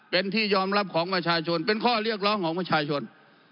เป็นที่ยอมรับของประชาชนเป็นข้อเรียกร้องของประชาชน